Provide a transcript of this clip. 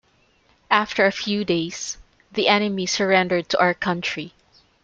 After a few days the enemy surrendered to our country.